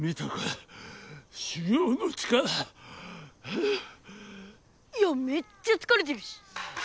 いやめっちゃつかれてるし！